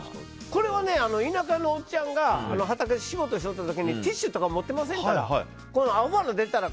これは、田舎のおっちゃんが畑仕事してた時にティッシュとか持ってませんから青いの出たら